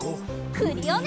クリオネ！